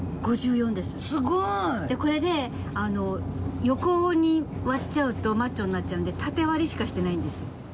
すごい！でこれで横に割っちゃうとマッチョになっちゃうので縦割りしかしてないんですよ。